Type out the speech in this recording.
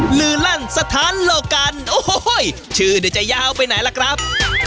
ลือลั่นสถานโลกันโอ้โหชื่อเนี่ยจะยาวไปไหนล่ะครับ